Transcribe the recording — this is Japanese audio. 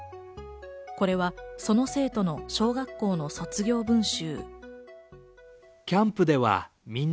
これはその生徒の小学校の卒業文集。